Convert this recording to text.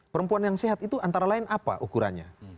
perempuan yang sehat itu antara lain apa ukurannya